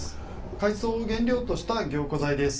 海藻を原料とした凝固剤です。